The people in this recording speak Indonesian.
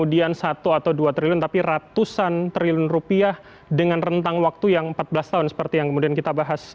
tapi ada juga yang berbicara tentang satu atau dua triliun tapi ratusan triliun rupiah dengan rentang waktu yang empat belas tahun seperti yang kemudian kita bahas